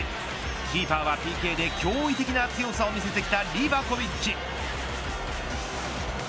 キーパーはＰＫで驚異的な強さを見せてきたリヴァコヴィッチ。